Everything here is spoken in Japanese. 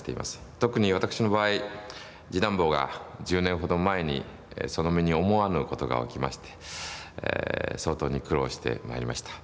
特に私の場合次男坊が１０年ほど前にその身に思わぬことが起きまして相当に苦労してまいりました。